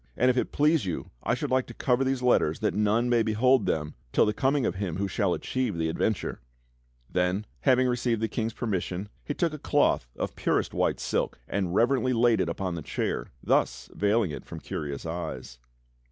And if it please you I should like to cover these letters that none may behold them till the coming of him who shall achieve the adventure." Then, having received the King's permission, he took a cloth 112 THE STORY OF KING ARTHUR of purest white silk and reverently laid it upon the chair, thus veil ing it from the curious eyes.